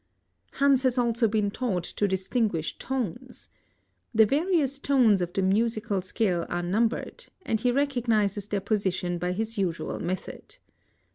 Hans has also t>een taught to distinguish tones. The various tones of the mt2sical scale are numbered, and he recognizes their position by his usual method.